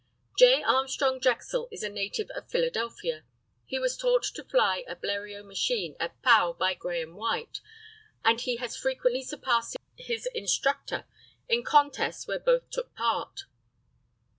J. ARMSTRONG DREXEL is a native of Philadelphia. He was taught to fly a Bleriot machine at Pau by Grahame White, and he has frequently surpassed his instructor in contests where both took part.